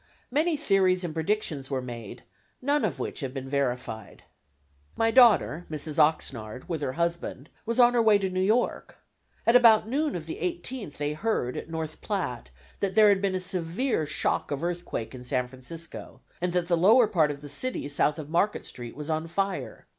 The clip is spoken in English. Many theories and predictions were made, none of which have been verified. My daughter, Mrs. Oxnard, with her husband was on the way to New York. At about noon of the 18th they heard, at North Platte, that there had been a severe shock of earthquake in San Francisco, and that the lower part of the city south of Market Street was on fire.